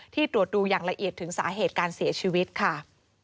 ตรวจดูอย่างละเอียดถึงสาเหตุการเสียชีวิตค่ะ